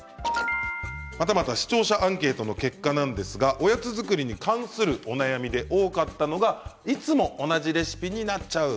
またまた視聴者アンケートの結果なんですが、おやつ作りに関するお悩みで多かったのがいつも同じレシピになっちゃう。